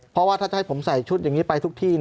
เพราะว่าถ้าจะให้ผมใส่ชุดอย่างนี้ไปทุกที่